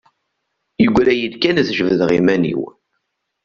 Yeggra-iyi-d kan ad jebdeɣ iman-iw.